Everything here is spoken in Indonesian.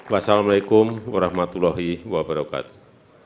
wassalamu'alaikum warahmatullahi wabarakatuh